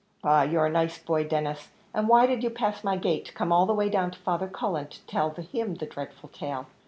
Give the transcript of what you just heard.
"Ah, you're a nice boy, Denis, and why did you pass my gate to come all the way down to Father Cullen, to tell him the dreadful tale?